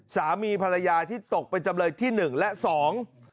สามีภรรยาที่ตกเป็นจำเลยที่หนึ่งและสอง